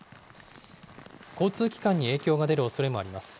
交通機関に影響が出るおそれもあります。